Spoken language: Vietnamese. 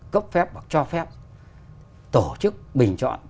cấp phép hoặc cho phép tổ chức bình chọn